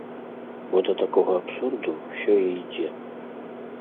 Бо да такога абсурду ўсё і ідзе.